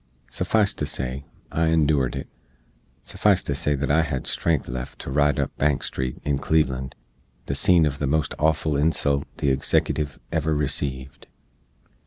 Suffice to say, I endoored it; suffice to say that I hed strength left to ride up Bank street, in Cleveland, the seen uv the most awful insult the Eggsecutive ever receeved.